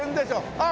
あっ！